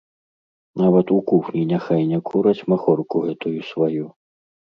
Нават у кухні няхай не кураць махорку гэтую сваю.